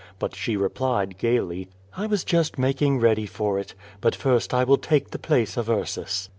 But she replied gaily: "I was just making ready for it. But first I will take the place of Ursus.'